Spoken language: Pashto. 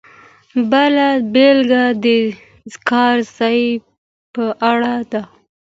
بله بېلګه د کار ځای په اړه ده.